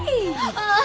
ああ！